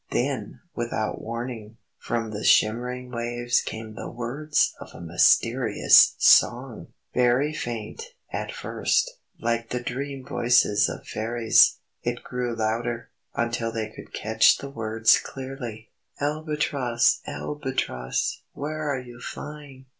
Then, without warning, from the shimmering waves came the words of a mysterious song! Very faint, at first like the dream voices of fairies it grew louder, until they could catch the words clearly "Albatross! Albatross! Where are you flying?